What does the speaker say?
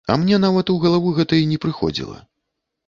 А мне нават у галаву гэта й не прыходзіла.